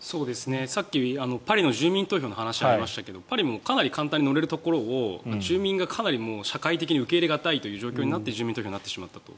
さっきパリの住民投票の話がありましたがパリもかなり簡単に乗れるところを住民がかなり社会的に受け入れ難いという状況になって住民投票になってしまったと。